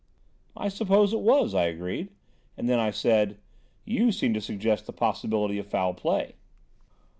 "I suppose it was," I agreed; and then I said: "You seem to suggest the possibility of foul play."